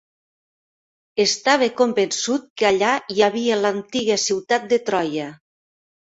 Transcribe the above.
Estava convençut que allà hi havia l'antiga ciutat de Troia.